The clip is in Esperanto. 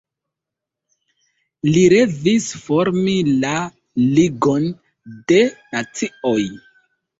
Li revis formi la Ligon de Nacioj.